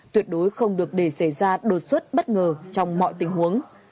tuyệt đối không được để xảy ra đột xuất bất ngờ trong mọi tình huống